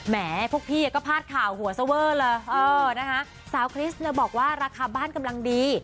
แหมพวกพี่ก็พลาดข่าวหัวซะเว่อละสาวคริสต์บอกว่าราคาบ้านกำลังดี